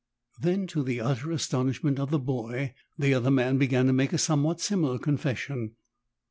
Then to the utter astonishment of the boy the other man began to make a somewhat similar confession.